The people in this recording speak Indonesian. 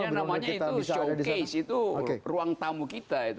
jelas itu karena namanya itu showcase itu ruang tamu kita